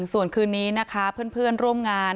ส่วนคืนนี้นะคะเพื่อนร่วมงาน